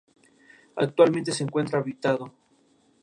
Actualmente se encuentra habilitado.